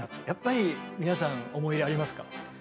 やっぱり皆さん思い入れありますか？